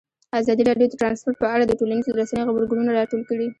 ازادي راډیو د ترانسپورټ په اړه د ټولنیزو رسنیو غبرګونونه راټول کړي.